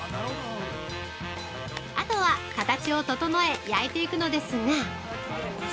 あとは形を整え、焼いていくのですが。